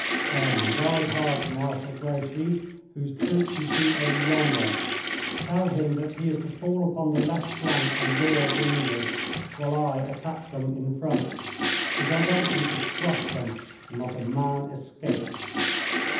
"Then ride hard to Marshal Grouchy, whose troops you see over yonder. Tell him that he is to fall upon the left flank and rear of the English while I attack them in front. Together we should crush them and not a man escape."